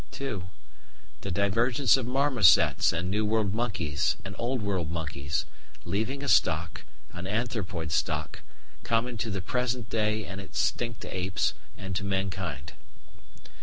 (2) The divergence of marmosets and New World monkeys and Old World monkeys, leaving a stock an anthropoid stock common to the present day and extinct apes and to mankind.